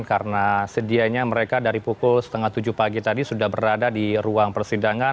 karena sedianya mereka dari pukul setengah tujuh pagi tadi sudah berada di ruang persidangan